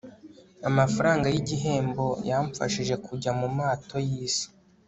amafaranga yigihembo yamfashije kujya mumato yisi